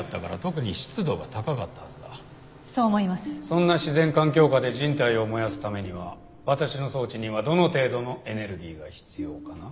そんな自然環境下で人体を燃やすためには私の装置にはどの程度のエネルギーが必要かな？